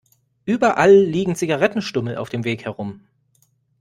Überall liegen Zigarettenstummel auf dem Weg herum.